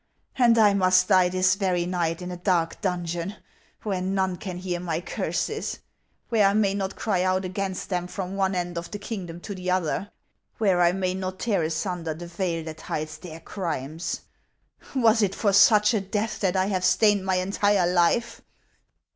And I must die this very night in a dark dungeon, where none can hear my curses : where I may not cry out against them from one end of the kingdom to the other ; where I may not tear asunder the veil that hides their crimes ! Was it for such a death that I have stained my entire life